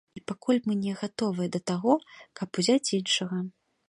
І пакуль мы не гатовыя да таго, каб узяць іншага.